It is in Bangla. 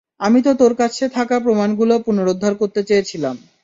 আমি তো তোর কাছে থাকা প্রমাণগুলো পুনরুদ্ধার করতে চেয়েছিলাম।